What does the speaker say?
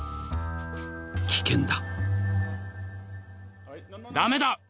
危険だ］